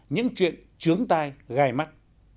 những chuyện chướng tai gài mắt